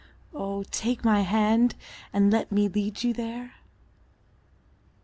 Oh, take my hand and let me lead you there.